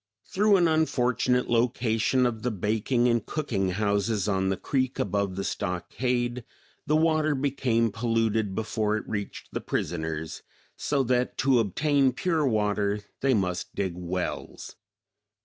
Through an unfortunate location of the baking and cooking houses on the creek above the stockade the water became polluted before it reached the prisoners, so that to obtain pure water they must dig wells.